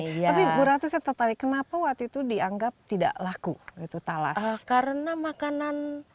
tapi bu ratu saya tertarik kenapa waktu itu dianggap tidak laku itu talas karena makanan